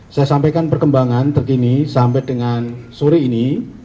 saya sampaikan perkembangan terkini sampai dengan sore ini